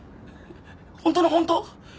本当の本当？